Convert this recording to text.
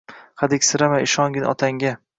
Hadiksirama, ishongin otangga